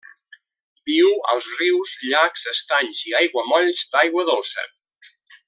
Viu als rius, llacs, estanys i aiguamolls d'aigua dolça.